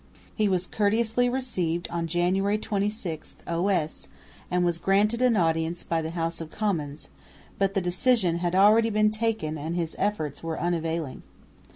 He was courteously received on January 26 o.s., and was granted an audience by the House of Commons, but the decision had already been taken and his efforts were unavailing.